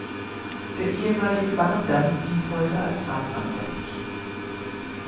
Der ehemalige Bahndamm dient heute als Radwanderweg.